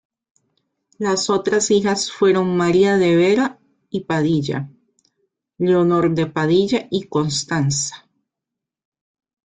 Las otras hijas fueron María de Vera y Padilla, Leonor de Padilla y Constanza.